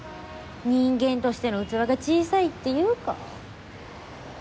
人間としての器が小さいっていうか。